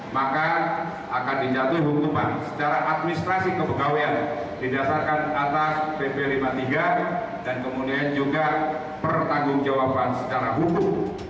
maka akan dijatuhi hukuman secara administrasi kepegawaian didasarkan atas pp lima puluh tiga dan kemudian juga pertanggung jawaban secara hukum